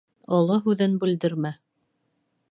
Оло һүҙен бүлдермә.